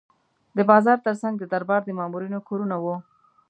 د بازار ترڅنګ د دربار د مامورینو کورونه وو.